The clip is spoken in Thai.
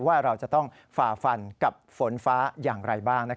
ว่าเราจะต้องฝ่าฟันกับฝนฟ้าอย่างไรบ้าง